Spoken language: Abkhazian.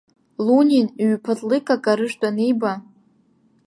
Лунин ҩ-ԥаҭликак арыжәтә аниба.